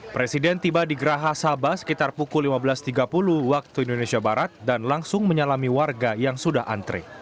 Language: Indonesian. presiden tiba di geraha sabah sekitar pukul lima belas tiga puluh waktu indonesia barat dan langsung menyalami warga yang sudah antre